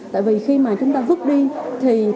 tại vì khi mà chúng ta vứt đi